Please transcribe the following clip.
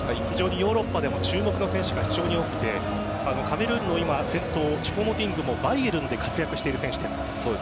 ヨーロッパでも注目の選手が非常に多くてカメルーンの先頭チュポ・モティングもバイエルンで活躍している選手です。